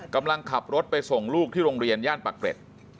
กำลังขับรถไปส่งลูกที่โรงเรียนย่านปักเกร็ด